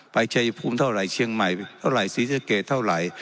ชัยภูมิเท่าไหร่เชียงใหม่เท่าไหร่ศรีสะเกดเท่าไหร่